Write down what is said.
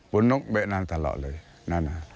ผมนึกแบบนั้นตลอดเลย